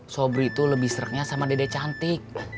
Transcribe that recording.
sobri tuh lebih seretnya sama dede cantik